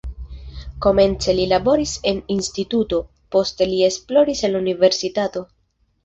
Komence li laboris en instituto, poste li esploris en la universitato.